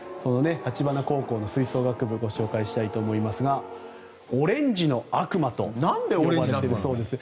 橘高校の吹奏楽部をご紹介したいと思いますがオレンジの悪魔と呼ばれているそうです。